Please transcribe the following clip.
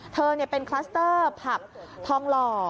เธอเป็นคลัสเตอร์ผับทองหล่อ